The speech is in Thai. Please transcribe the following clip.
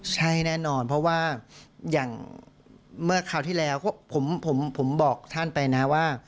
ใช่แน่นอนเพราะว่าอย่างเมื่อคราวที่แล้วผมบอกท่านไปนะว่า